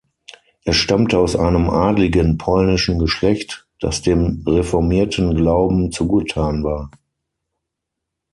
Er stammte aus einem adligen polnischen Geschlecht, das dem reformierten Glauben zugetan war.